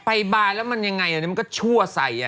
ไปบานแล้วมันยังไงมันก็ชั่วใส่